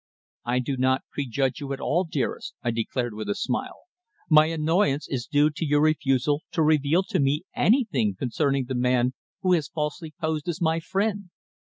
"I do not prejudge you at all, dearest," I declared with a smile. "My annoyance is due to your refusal to reveal to me anything concerning the man who has falsely posed as my friend."